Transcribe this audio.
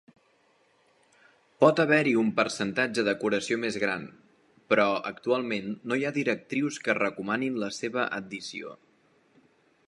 Pot haver-hi un percentatge de curació més gran, però actualment no hi ha directrius que recomanin la seva addició.